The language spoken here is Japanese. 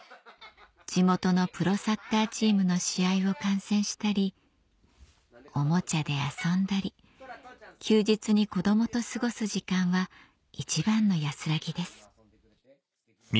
地元のプロサッカーチームの試合を観戦したりおもちゃで遊んだり休日に子どもと過ごす時間は一番の安らぎです